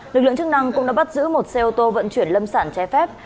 lực lượng chức năng cũng đã bắt giữ một xe ô tô vận chuyển lâm sản trái phép